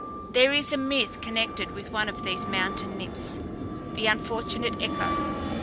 There is a myth connected with one of these mountain nymphs, the unfortunate Echo.